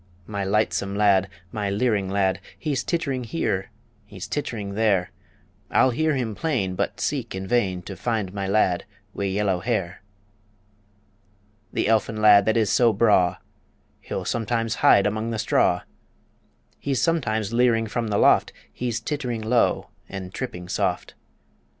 My lightsome lad, my leering lad, He's tittering here; he's tittering there I'll hear him plain, but seek in vain To find my lad wi' yellow hair. The elfin lad that is so braw, He'll sometimes hide among the straw; He's sometimes leering from the loft He's tittering low and tripping soft.